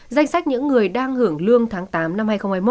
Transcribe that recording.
danh sách những người đang hưởng lương tháng tám năm hai nghìn hai mươi một